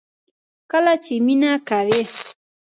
کله چې مینه کوئ